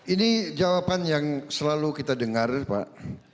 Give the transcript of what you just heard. ini jawaban yang selalu kita dengar pak